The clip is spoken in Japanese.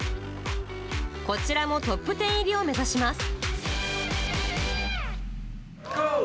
こちらもトップ１０入りを目指します。